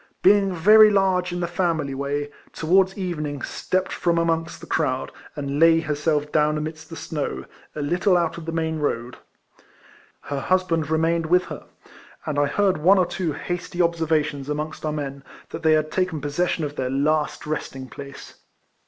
being very large in the family way, towards evenincr stepped from amongst the crowd, and lay herself down amidst the snow, a little out of the main road. Her husband remained with her: and I heard one or two hasty observations amongst our men. that they had taken pz^session of their last resting place.